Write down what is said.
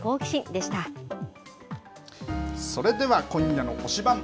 でしそれでは今夜の推しバン！